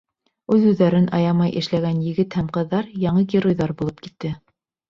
Үҙ-үҙҙәрен аямай эшләгән егет һәм ҡыҙҙар яңы геройҙар булып китте.